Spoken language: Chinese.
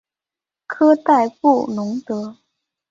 科代布龙德。